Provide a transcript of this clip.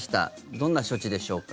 どんな処置でしょうか？